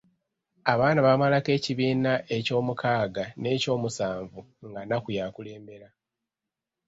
Abaana baamalako ekibiina eky’omukaaga n’ekyo'musanvu nga Nnakku y'akulembera.